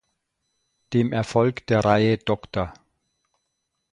Dem Erfolg der Reihe „Dr.